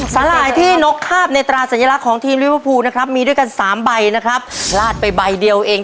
สหายที่นกคาบในตราสัญลักษณ์ของทีมลิวิเวอร์ภูมิด้วยกัน๓ใบลาดไปใบเดียวเอง